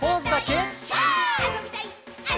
「あそびたいっ！！」